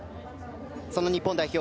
その日本代表